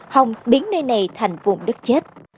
hồng biến nơi này thành vùng đất chết